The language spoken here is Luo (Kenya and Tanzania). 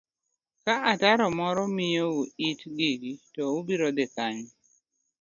ka atamora miyou it gigi to ubiro dhi kanye?